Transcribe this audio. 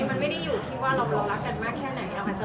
มันไม่ได้อยู่ที่ว่าเรารักกันมากแค่ไหน